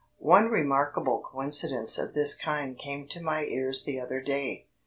One remarkable coincidence of this kind came to my ears the other day.